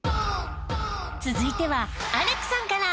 続いてはアレクさんから。